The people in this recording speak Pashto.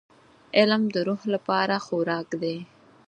• علم د روح لپاره خوراک دی.